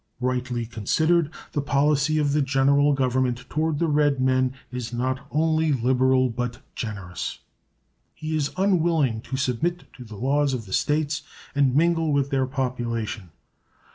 Rightly considered, the policy of the General Government toward the red man is not only liberal, but generous. He is unwilling to submit to the laws of the States and mingle with their population.